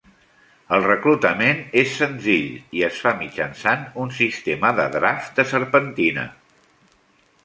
El reclutament és senzill i es fa mitjançant un sistema de draft de serpentina.